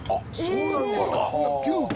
そうなんですか。